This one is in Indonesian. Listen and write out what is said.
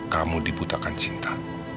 kamu dibutakan cinta